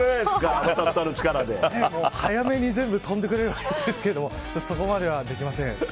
天達さ早めに全部飛んでくれればいいんですけどちょっとそこまではできません。